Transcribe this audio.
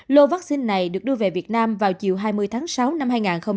lô vaccine này được đưa về việt nam vào chiều hai mươi tháng sáu năm hai nghìn hai mươi ba